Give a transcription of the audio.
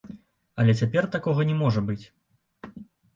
Але цяпер такога не можа быць.